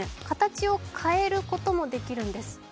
形を変えることもできるんです。